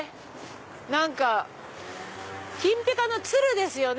何か金ぴかの鶴ですよね。